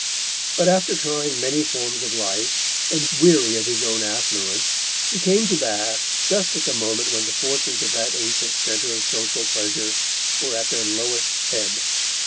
But after trying many forms of life, and weary of his own affluence, he came to Bath just at the moment when the fortunes of that ancient centre of social pleasure were at their lowest ebb.